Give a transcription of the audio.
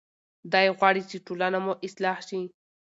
دی غواړي چې ټولنه مو اصلاح شي.